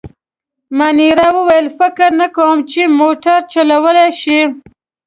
مانیرا وویل: فکر نه کوم، چي موټر چلولای شي.